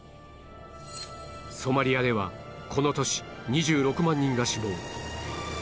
ソマリアではこの年２６万人が死亡